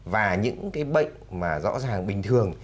và những cái bệnh mà rõ ràng bình thường